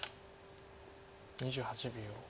２８秒。